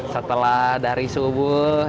setelah dari susu